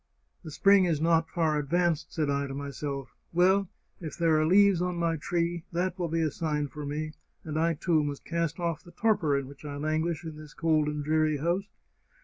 * The spring is not far advanced,' said I to myself ;' well, if there are leaves on my tree, that will be a sign for me, and I too must cast 28 The Chartreuse of Parma off the torpor in which I languish in this cold and dreary house.